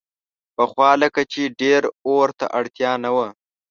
پخوا لکه چې ډېر اور ته اړتیا نه وه.